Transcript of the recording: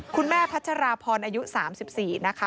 คุณแม่พัชราพรอายุ๓๔นะคะ